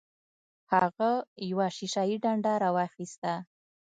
هغه یوه شیشه یي ډنډه راواخیسته.